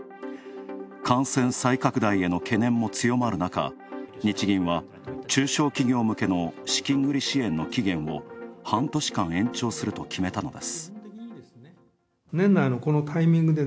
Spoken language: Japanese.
感染再拡大への懸念も強まる中、日銀は中小企業向けの資金繰り支援の期限を半年間延長すると決めたのです。